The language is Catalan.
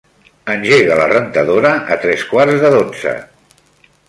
Engega la rentadora a tres quarts de dotze.